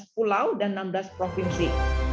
tujuh belas pulau dan enam belas provinsi